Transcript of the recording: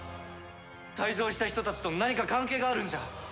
退場した人たちと何か関係があるんじゃ。